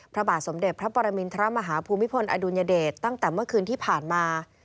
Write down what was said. พระบาทสมเด็จพระปรมินทรมาฮภูมิพลอดุลยเดชตั้งแต่เมื่อคืนที่ผ่านมา